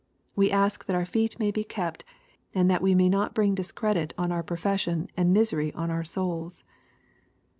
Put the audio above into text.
We ask that our feet may be kept, and that we may not bring discredit on our profession and misery on our souls.